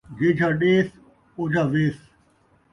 جیجھا ݙیس ، اوجھا ویس